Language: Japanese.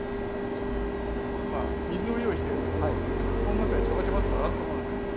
今水を用意してるんですけどここの中でジャバジャバッと洗ってもらうんですよ。